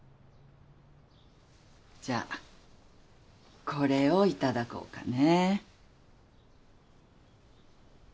じゃあこれを頂こうかね。